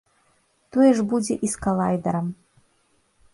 Тое ж будзе і з калайдарам.